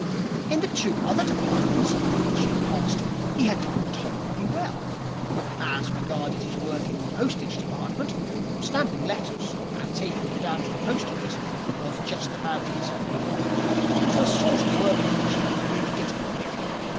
In the two other departments through which he had passed, he had done tolerably well. As regarded his work in the Postage Department, stamping letters and taking them down to the post office was just about his form. It was the sort of work on which he could really get a grip.